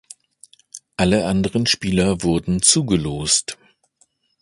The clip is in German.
Alle anderen Spieler wurden zugelost.